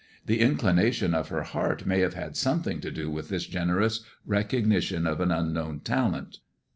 The inclination of her heart may have had something to do with this generous recognition of unknown talent.